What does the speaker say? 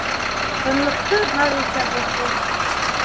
Тынлыҡты Маруся боҙҙо: